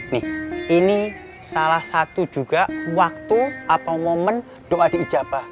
nah ini salah satu juga waktu atau momen doa diijabah